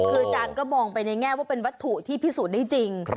คืออาจารย์ก็มองไปในแง่ว่าเป็นวัตถุที่พิสูจน์ได้จริง